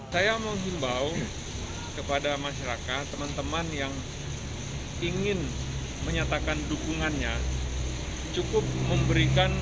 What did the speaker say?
saya menghimbau kepada masyarakat teman teman yang ingin menyatakan dukungannya cukup memberikan